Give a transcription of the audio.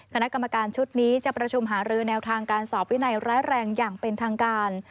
คณะกรรมการชุดนี้จะประชุมหารือแนวทางการสอบวินัยร้ายแรงอย่างเป็นทางการ